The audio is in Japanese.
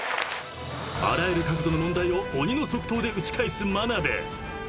［あらゆる角度の問題を鬼の即答で打ち返す眞鍋］